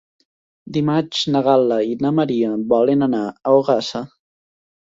Dimarts na Gal·la i na Maria volen anar a Ogassa.